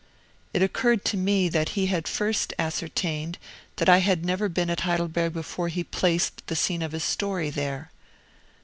It occurred to me that he had first ascertained that I had never been at Heidelberg before he placed the scene of his story there.